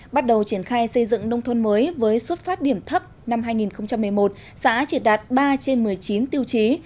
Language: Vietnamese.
bắt đầu triển khai xây dựng nông thôn mới với xuất phát điểm thấp năm hai nghìn một mươi một xã chỉ đạt ba trên một mươi chín tiêu chí